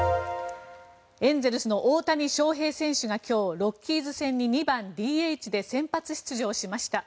エンゼルスの大谷翔平選手が今日ロッキーズ戦に２番ＤＨで先発出場しました。